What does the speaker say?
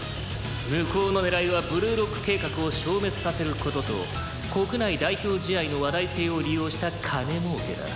「向こうの狙いはブルーロック計画を消滅させる事と国内代表試合の話題性を利用した金儲けだ」